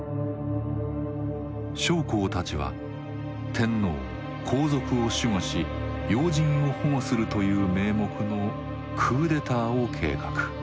将校たちは天皇皇族を守護し要人を保護するという名目のクーデターを計画。